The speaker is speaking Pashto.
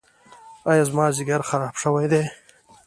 ایا زما ځیګر خراب شوی دی؟